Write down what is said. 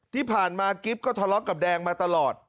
ที่ผ่านมากิ๊บก็ทะเลาะกับแดงมาตลอด